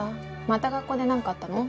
また学校でなんかあったの？